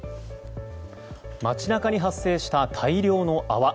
街中に発生した大量の泡。